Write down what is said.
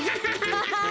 ハハハ！